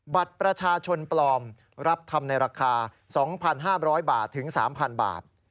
บัตรประชาชนปลอมรับทำในราคา๒๕๐๐บาทถึง๓๐๐บาท